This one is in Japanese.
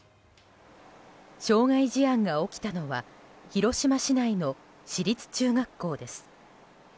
傷害事件が起きたのは広島市内の市立中学校です。